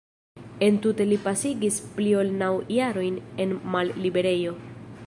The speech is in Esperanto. Entute li pasigis pli ol naŭ jarojn en malliberejo.